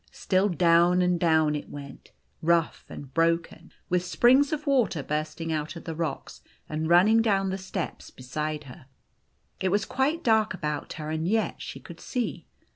Still down and down it went, rough and broken, with springs of water bursting out of the rocks and running down the steps beside her. It was quite dark about her, and yet she could see.